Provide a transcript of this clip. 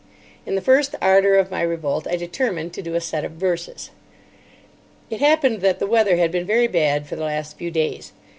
In the first ardour of my revolt I determined to do a set of verses. It happened that the weather had been very bad for the last few days.